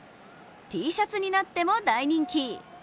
Ｔシャツになっても大人気。